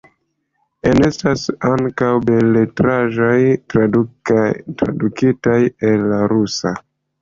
Enestas ankaŭ beletraĵoj tradukitaj el la rusa.